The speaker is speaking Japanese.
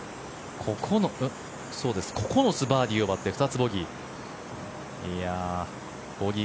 ９つバーディーを奪って２つボギー。